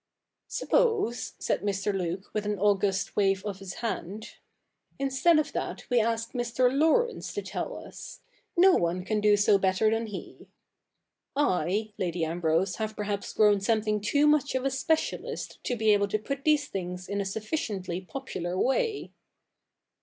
' Suppose,' said Mr. Luke with an august wave of his hand, ' instead of that we ask Mr. Laurence to tell us. No one can do so better than he. I, Lady Ambrose, have perhaps grown something too much of a specialist to be able to put these things in a sufficiently popular way.'